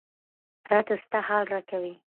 راته ستا حال راكوي.